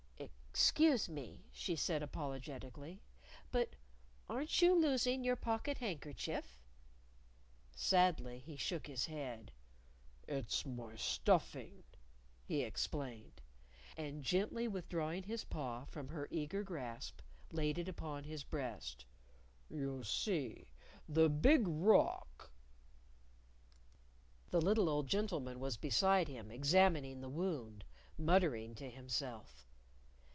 "Excuse me," she said apologetically, "but aren't you losing your pocket handkerchief?" Sadly he shook his head. "It's my stuffing," he explained. And gently withdrawing his paw from her eager grasp, laid it upon his breast. "You see, the Big Rock " The little old gentleman was beside him, examining the wound; muttering to himself.